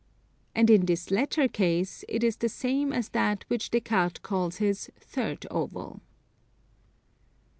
And in this latter case it is the same as that which Des Cartes calls his 3rd oval.